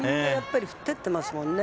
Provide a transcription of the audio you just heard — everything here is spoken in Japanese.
振っていってますもんね。